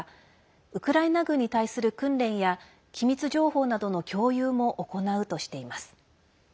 ウクライナ軍に対する訓練や機密情報などの共有も行うとしています。